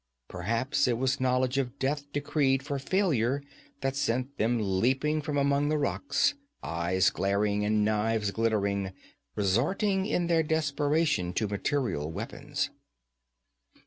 Perhaps it was knowledge of death decreed for failure that sent them leaping from among the rocks, eyes glaring and knives glittering, resorting in their desperation to material weapons.